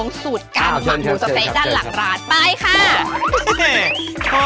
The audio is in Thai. ไปล้วงสูตรการหมักหมูซาไซส์ด้านหลังร้านไปค่ะครับเช่นครับ